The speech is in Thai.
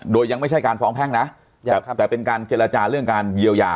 โดยยังไม่ใช่การฟ้องแพ่งนะแต่เป็นการเจรจาเรื่องการเยียวยา